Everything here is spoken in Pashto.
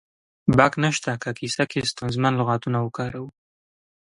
باک نه شته که کیسه کې ستونزمن لغاتونه وکاروو